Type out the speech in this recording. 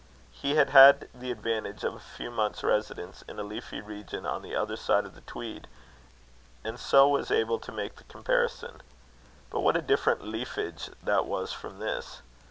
He had had the advantage of a few months' residence in a leafy region on the other side of the Tweed, and so was able to make the comparison. But what a different leafage that was from this!